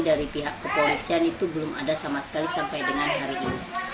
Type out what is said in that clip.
dari pihak kepolisian itu belum ada sama sekali sampai dengan hari ini